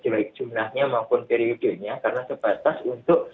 baik jumlahnya maupun periodenya karena sebatas untuk